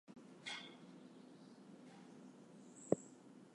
These have pushed the hemi head out of favor in the modern era.